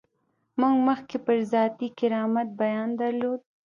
موږ مخکې پر ذاتي کرامت بیان درلود.